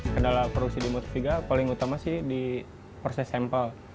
kedala produksi di mutiga paling utama sih di proses sampel